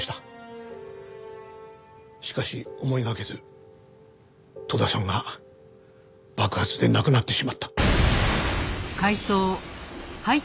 しかし思いがけず遠田さんが爆発で亡くなってしまった。